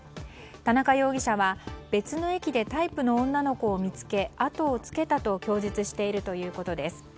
田中容疑者は別の駅でタイプの女の子を見つけ後をつけたと供述をしているということです。